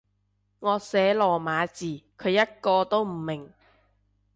我寫羅馬字，佢一個都唔明